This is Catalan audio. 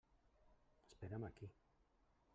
Espera'm aquí.